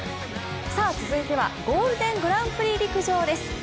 続いてはゴールデングランプリ陸上です。